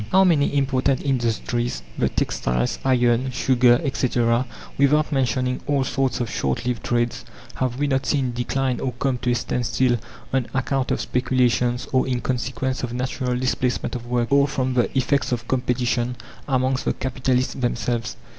How many important industries the textiles, iron, sugar, etc. without mentioning all sorts of short lived trades, have we not seen decline or come to a standstill on account of speculations, or in consequence of natural displacement of work, or from the effects of competition amongst the capitalists themselves!